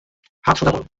হাত সোজা করো।